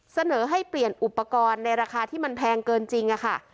เสนอให้เปลี่ยนอุปกรณ์ในราคาที่มันแพงเกินจริงค่ะ